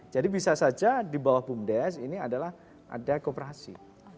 jadi bisa saja di bawah bum desa ini adalah ada kooperasi